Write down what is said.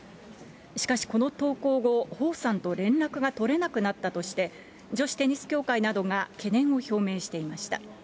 しかし、この投稿後、彭さんと連絡が取れなくなったとして、女子テニス協会などが懸念を表明していました。